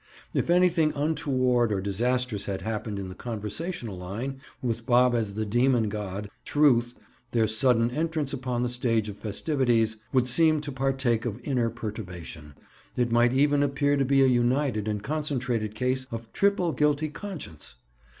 If anything untoward or disastrous had happened in the conversational line, with Bob as the Demon God, Truth, their sudden entrance upon the stage of festivities, would seem to partake of inner perturbation; it might even appear to be a united and concentrated case of triple guilty conscience.